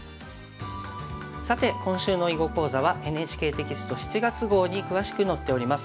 さて今週の囲碁講座はＮＨＫテキスト７月号に詳しく載っております。